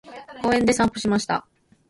公園で散歩をしました。